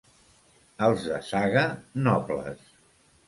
Els de Saga, nobles.